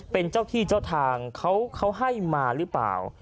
เป็นเจ้าที่เจ้าทางเขาให้มาหรือเปล่า